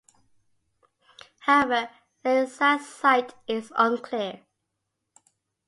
However, the exact site is unclear.